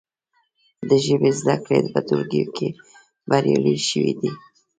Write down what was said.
د ژبې زده کړې په ټولګیو کې بریالۍ شوي دي.